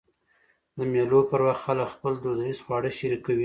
د مېلو پر وخت خلک خپل دودیز خواړه شریکوي.